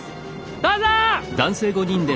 どうぞ！